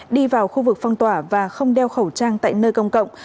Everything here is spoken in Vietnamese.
đi vào khu vực phong tỏa và không đeo khẩu trang tại nơi công cộng